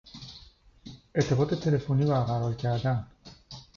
ارتباط تلفنی برقرار کردن